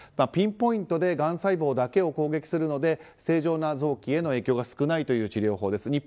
ピンポイントでがん細胞だけを攻撃するので正常な臓器への影響が少ないという治療法です。